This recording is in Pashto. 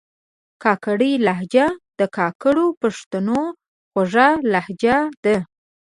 کاکړۍ لهجه د کاکړو پښتنو خوږه لهجه ده